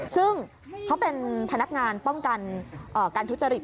ซึ่งเขาเป็นพนักงานป้องกันการทุจริต